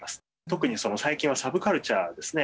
特に、その最近はサブカルチャーですね。